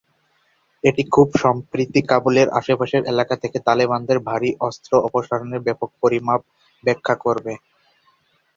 এটি খুব সম্প্রতি কাবুলের আশেপাশের এলাকা থেকে তালেবানদের ভারী অস্ত্র অপসারণের ব্যাপক পরিমাপ ব্যাখ্যা করবে।